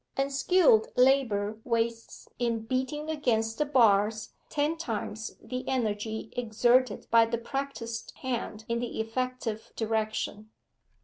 Unskilled labour wastes in beating against the bars ten times the energy exerted by the practised hand in the effective direction.